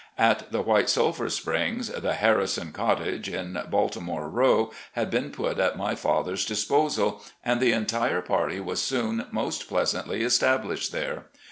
At the White Sulphur Springs the " Harrison Cottage, " in "Baltimore Row," had been put at my father's dis posal, and the entire party was soon most pleasantly established there.